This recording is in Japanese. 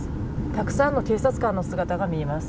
たくさんの警察官の姿が見えます。